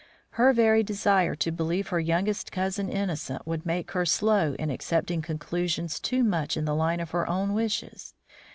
Her very desire to believe her youngest cousin innocent would make her slow in accepting conclusions too much in the line of her own wishes.